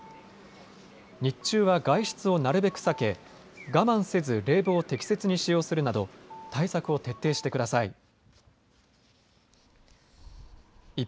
日中は外出をなるべく避け我慢せず冷房を適切に使用するなど対策を徹底してください。